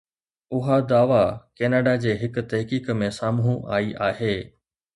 اها دعويٰ ڪينيڊا جي هڪ تحقيق ۾ سامهون آئي آهي